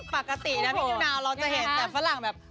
ปกตินะพี่นิวนาวเราจะเห็นแต่ฝรั่งแบบ